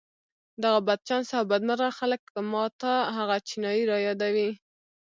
دغه بدچانسه او بدمرغه خلک ما ته هغه چينايي را يادوي.